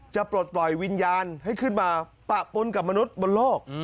ปลดปล่อยวิญญาณให้ขึ้นมาปะปนกับมนุษย์บนโลก